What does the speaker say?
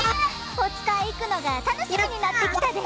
おつかいいくのがたのしみになってきたで。